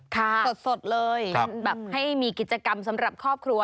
สดเลยแบบให้มีกิจกรรมสำหรับครอบครัว